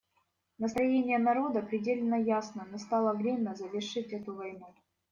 Настроение народа предельно ясно: настало время завершить эту войну.